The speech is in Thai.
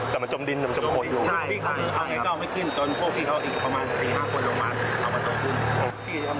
จะมาจมดินจะมาจมโคตรลงใช่เอาไงก็เอาไม่ขึ้นจนพวกพี่เขาอีกประมาณสี่ห้าคนลงมาเอาประตูขึ้น